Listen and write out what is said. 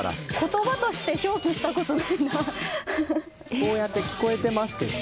・こうやって聞こえてますけど。